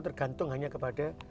tergantung hanya kepada